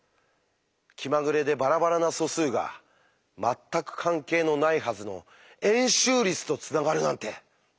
気まぐれでバラバラな素数が全く関係のないはずの円周率とつながるなんてすごい！